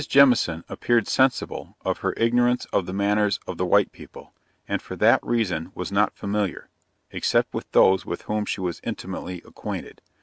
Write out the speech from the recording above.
Jemison, appeared sensible of her ignorance of the manners of the white people, and for that reason, was not familiar, except with those with whom she was intimately acquainted.